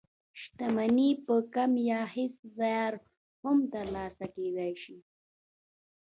شتمني په کم يا هېڅ زيار هم تر لاسه کېدلای شي.